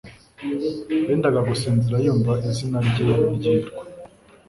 Yendaga gusinzira yumva izina rye ryitwa